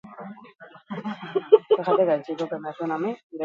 Lehoi baten atzapar zorrotzetan.